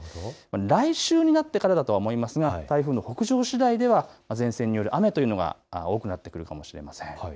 来週になってからだと思いますが台風の北上しだいでは前線による雨というのが多くなってくるかもしれません。